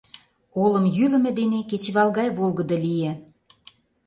Олым йӱлымӧ дене кечывал гай волгыдо лие.